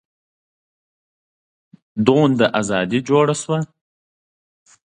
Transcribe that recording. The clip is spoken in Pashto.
دومره ازادي جوړه شوه.